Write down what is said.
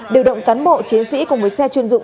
điều động cán bộ chiến sĩ cùng với xe chuyên dụng